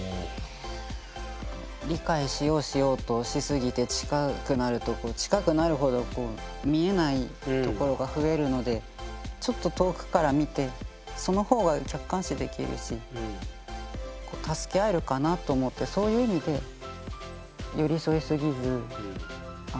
理解しようしようとしすぎて近くなると近くなるほど見えないところが増えるのでちょっと遠くから見てそのほうが客観視できるし助け合えるかなと思ってそういう意味でお互いほっておくみたいな。